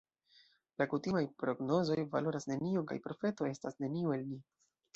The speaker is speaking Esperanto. La kutimaj prognozoj valoras nenion, kaj profeto estas neniu el ni.